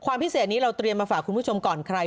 ความพิเศษนี้เราเตรียมมาฝากคุณผู้ชมก่อนใคร